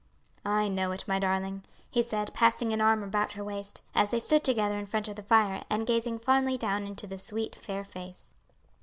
"I know it, my darling," he said, passing an arm about her waist, as they stood together in front of the fire, and gazing fondly down into the sweet fair face.